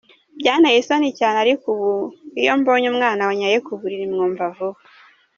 Byanteye isoni cyane, ariko ubu iyo mbonye umwana wanyaye ku buriri mwumva vuba.